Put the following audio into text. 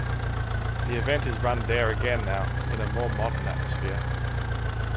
The event is run there again now, in a more modern atmosphere.